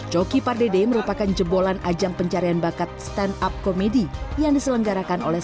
coki pardede merupakan jebolan ajang pencarian bakat stand up komedi yang diselenggarakan oleh